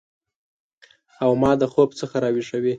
او ما د خوب څخه راویښوي